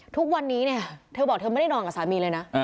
ทุกวันนี้เนี่ยเธอบอกเธอไม่ได้นอนกับสามีเลยนะ